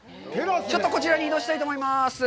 ちょっと、こちらに移動したいと思います。